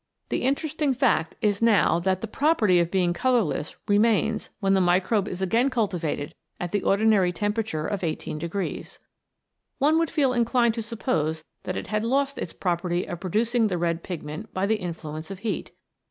The interesting fact L 145 CHEMICAL PHENOMENA IN LIFE is now that the property of being colourless remains when the microbe is again cultivated at the ordinary temperature of 18 degrees. One would feel inclined to suppose that it had lost its property of producing the red pigment by the influence of heat.